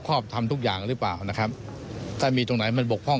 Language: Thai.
ก็จะถือว่าเป็นตัวอย่างก็ได้นะครับ